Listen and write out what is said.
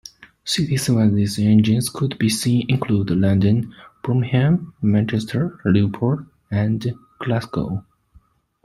Cities where these engines could be seen included London, Birmingham, Manchester, Liverpool, and Glasgow.